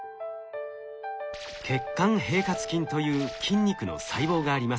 血管平滑筋という筋肉の細胞があります。